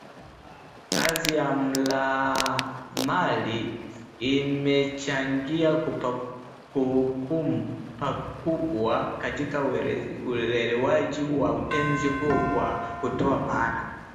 Kazi ya Mlamali imechangia pakubwa katika uelewaji wa utenzi huu kwa kutoa maana